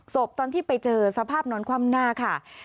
ศพตอนที่ไปเจอสภาพนอนคว่ำหน้าค่ะ